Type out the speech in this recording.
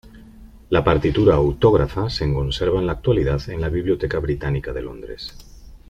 La partitura autógrafa se conserva en la actualidad en la Biblioteca Británica de Londres.